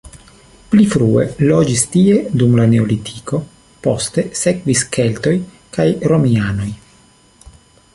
Pli frue loĝis tie dum la neolitiko, poste sekvis keltoj kaj romianoj.